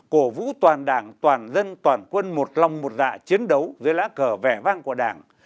cổ vũ toàn đảng toàn dân toàn quân một lòng một dạ chiến đấu dưới lá cờ vẻ vang của đảng